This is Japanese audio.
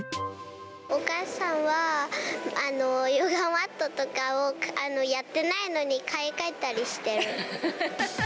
お母さんは、ヨガマットとかをやってないのに買い替えたりしてる。